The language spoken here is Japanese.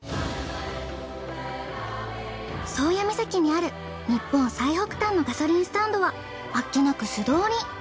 宗谷岬にある日本最北端のガソリンスタンドはあっけなく素通り。